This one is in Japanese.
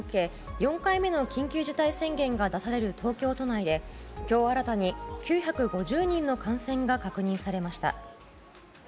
４回目の緊急事態宣言が出される東京都内で今日新たに９５０人の感染が確認されました。